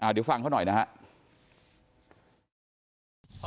เดี๋ยวฟังเขาหน่อยนะครับ